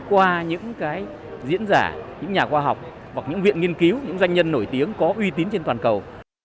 qua những cái diễn giả những nhà khoa học hoặc những viện nghiên cứu những doanh nhân nổi tiếng có uy tín trên toàn cầu